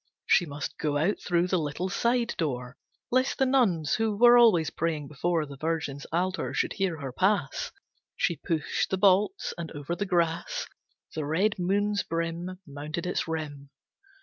She must go out through the little side door Lest the nuns who were always praying before The Virgin's altar should hear her pass. She pushed the bolts, and over the grass The red moon's brim Mounted its rim.